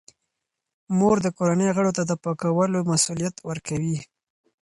مور د کورنۍ غړو ته د پاکولو مسوولیت ورکوي.